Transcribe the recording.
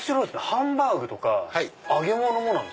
ハンバーグとか揚げ物もなんですか？